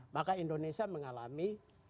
maka indonesia mengalami